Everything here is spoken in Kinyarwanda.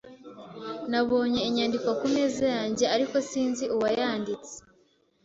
Nabonye inyandiko ku meza yanjye, ariko sinzi uwayanditse.